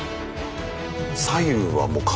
左右はもう風？